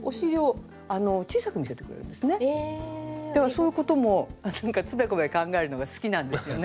そういうこともなんかつべこべ考えるのが好きなんですよね。